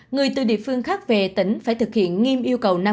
người từ địa phương khác về tỉnh phải thực hiện nghiêm yêu cầu năm mươi